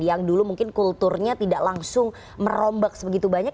yang dulu mungkin kulturnya tidak langsung merombak sebegitu banyak